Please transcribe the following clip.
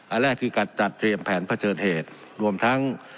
อันแรกคือการจัดเตรียมแผนเผชิญเหตุรวมทั้ง